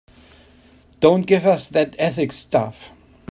Don't give us that ethics stuff.